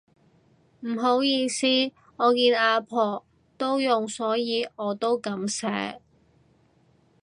唔好意思，我見阿婆都用所以我都噉寫